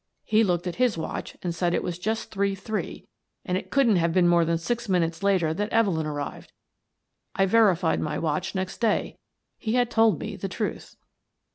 He looked at his watch and said it was just three three — and it couldn't have been more than six minutes later that Evelyn arrived. I verified my watch next day: he had told me the truth."